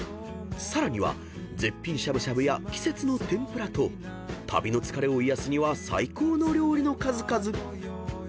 ［さらには絶品しゃぶしゃぶや季節の天ぷらと旅の疲れを癒やすには最高の料理の数々］